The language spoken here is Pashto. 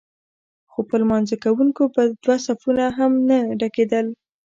خو پر لمانځه کوونکو به دوه صفونه هم نه ډکېدل.